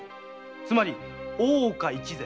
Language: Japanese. つまり大岡一善。